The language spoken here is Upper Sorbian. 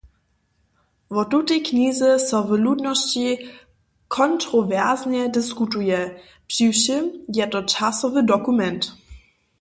Wo tutej knize so w ludnosći kontrowersnje diskutuje, přiwšěm je to časowy dokument.